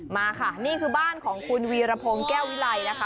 มาค่ะนี่คือบ้านของคุณวีรพงศ์แก้ววิไลนะคะ